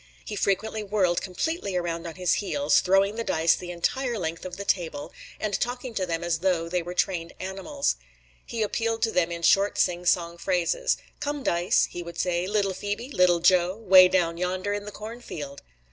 He frequently whirled completely around on his heels, throwing the dice the entire length of the table, and talking to them as though they were trained animals. He appealed to them in short singsong phrases. "Come, dice," he would say. "Little Phoebe," "Little Joe," "'Way down yonder in the cornfield."